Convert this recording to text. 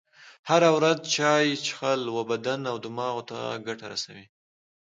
هره ورځ چایی چیښل و بدن او دماغ ته ګټه رسوي.